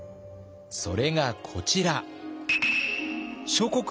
それがこちら。